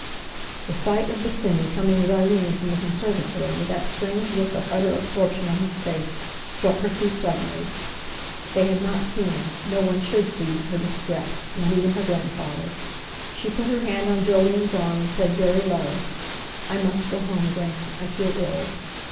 The sight of Bosinney coming with Irene from the conservatory, with that strange look of utter absorption on his face, struck her too suddenly. They had not seen—no one should see—her distress, not even her grandfather. She put her hand on Jolyon's arm, and said very low: "I must go home, Gran; I feel ill."